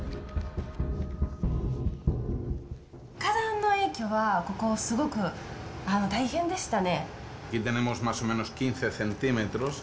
火山の影響はここ、すごく大変でしたね。